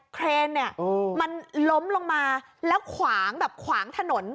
เครนเนี่ยมันล้มลงมาแล้วขวางแบบขวางถนน